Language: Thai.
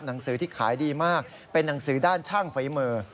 หนังสือที่ขายดีมากเป็นหนังสือด้านช่างฝีมือ